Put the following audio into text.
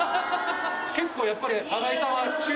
結構やっぱり。